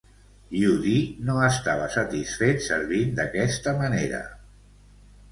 Yu Di no estava satisfet servint d'aquesta manera.